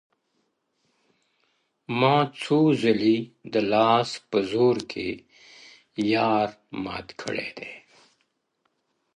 o ما څوځلي د لاس په زور کي يار مات کړی دی ـ